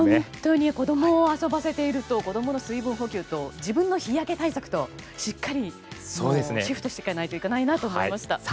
本当に子供を遊ばせていると子供の水分補給と自分の日焼け対策としっかりシフトしていかないとと思いました。